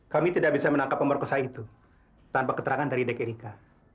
kami tidak bisa menangkap pemerkosa itu tanpa keterangan dari deck erika